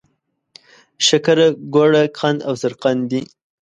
شکره، ګوړه، قند او سرقند دي.